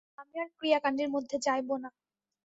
আমি আর ক্রিয়াকাণ্ডের মধ্যে যাইব না।